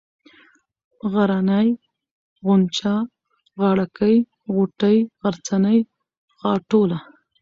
غرنۍ ، غونچه ، غاړه كۍ ، غوټۍ ، غرڅنۍ ، غاټوله